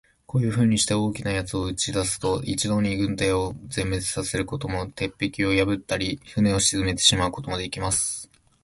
こういうふうにして、大きな奴を打ち出すと、一度に軍隊を全滅さすことも、鉄壁を破ったり、船を沈めてしまうこともできます。